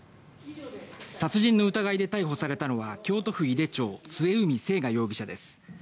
殺人の疑いで逮捕されたのは京都府井手町末海征河容疑者です。